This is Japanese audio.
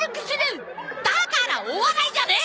だからお笑いじゃねえ！